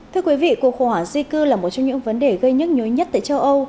thưa quý vị cuộc khủng hoảng di cư là một trong những vấn đề gây nhức nhối nhất tại châu âu